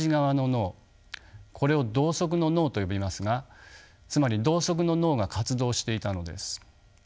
これを「同側の脳」と呼びますがつまり同側の脳が活動していたのです。